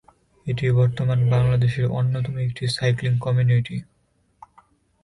এটি বর্তমানে বাংলাদেশের অন্যতম একটি সাইক্লিং কমিউনিটি।